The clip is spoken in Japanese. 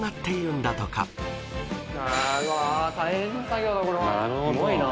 すごいな。